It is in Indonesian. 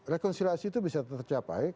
rekonsiliasi itu bisa tercapai